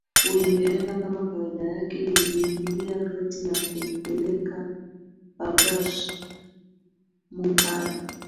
Uingereza kama kawaida yake iliingilia kati na kumpeleka Bargash Mumbai